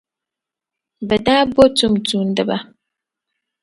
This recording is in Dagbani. Bɛ daa bo tumtumdiba.